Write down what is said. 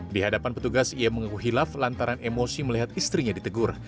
di hadapan petugas ia mengaku hilaf lantaran emosi melihat istrinya ditegur